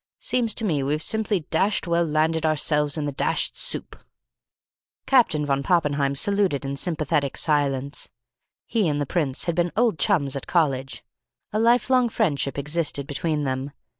Seems to me we've simply dashed well landed ourselves in the dashed soup." Captain von Poppenheim saluted in sympathetic silence. He and the prince had been old chums at college. A life long friendship existed between them.